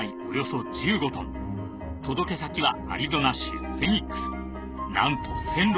およそ１５トン届け先はアリゾナ州フェニックスなんと